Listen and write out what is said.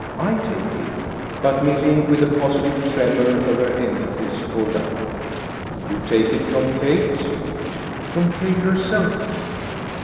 I take it " But Milly, with the positive tremor of her emphasis, pulled up. "You take it from Kate?" "From Kate herself."